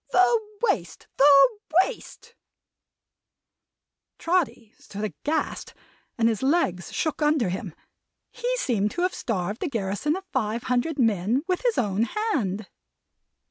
The Waste, the Waste!" Trotty stood aghast, and his legs shook under him. He seemed to have starved a garrison of five hundred men with his own hand.